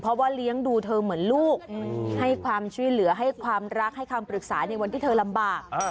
เพราะว่าเลี้ยงดูเธอเหมือนลูกให้ความช่วยเหลือให้ความรักให้คำปรึกษาในวันที่เธอลำบาก